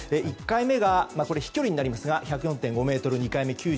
１回目が飛距離になりますが１０４．５ｍ２回目９９．５ｍ。